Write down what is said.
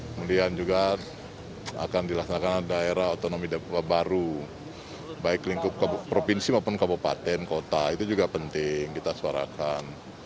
kemudian juga akan dilaksanakan daerah otonomi baru baik lingkup provinsi maupun kabupaten kota itu juga penting kita suarakan